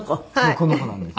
この子なんです。